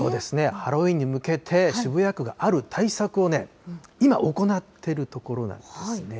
ハロウィーンに向けて、渋谷区がある対策をね、今、行ってるところなんですね。